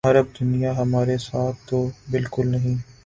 عرب دنیا ہمارے ساتھ تو بالکل نہیں۔